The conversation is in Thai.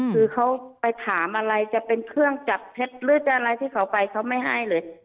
คือเขาไปถามอะไรจะเป็นเครื่องจับเท็จหรือจะอะไรที่เขาไปเขาไม่ให้เลย